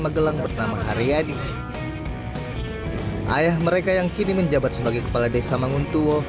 magelang bernama haryadi ayah mereka yang kini menjabat sebagai kepala desa manguntuo